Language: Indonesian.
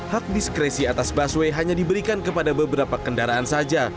hak diskresi atas busway hanya diberikan kepada beberapa kendaraan saja